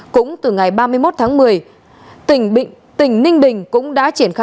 cũng từ ngày ba mươi một tháng một mươi tỉnh ninh bình cũng đã triển khai